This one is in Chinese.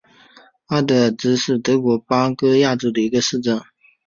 阿德尔茨豪森是德国巴伐利亚州的一个市镇。